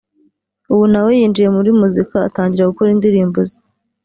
ubu nawe yinjiye muri muzika atangira gukora indirimbo ze